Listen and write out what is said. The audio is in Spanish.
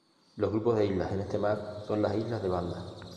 Los grupos de islas en este mar son las islas de Banda.